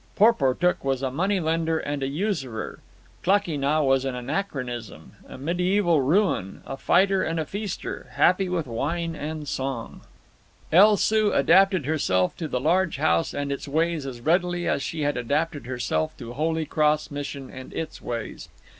Porportuk was a money lender and a usurer. Klakee Nah was an anachronism—a mediæval ruin, a fighter and a feaster, happy with wine and song. El Soo adapted herself to the large house and its ways as readily as she had adapted herself to Holy Cross Mission and its ways.